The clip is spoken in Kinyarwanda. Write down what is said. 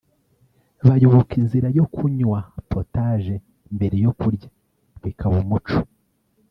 bayoboka inzira yo kunywa potage mbere yo kurya bikaba umuco